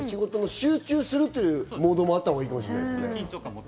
集中するっていうモードもあったほうがいいかもしれないですね。